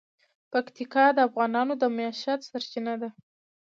پکتیکا د افغانانو د معیشت سرچینه ده.